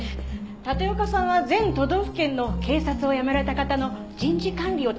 立岡さんは全都道府県の警察を辞められた方の人事管理を担当されていたそうですから。